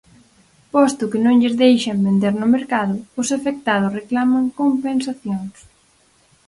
Posto que non lles deixan vender no mercado, os afectados reclaman compensacións.